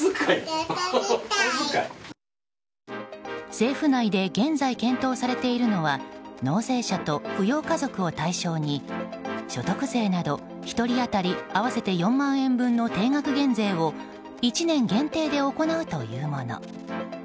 政府内で現在検討されているのは納税者と扶養家族を対象に所得税など、１人当たり合わせて４万円分の定額減税を１年限定で行うというもの。